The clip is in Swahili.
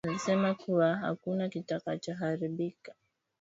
Rais alisema kuwa hakuna kitakacho haribika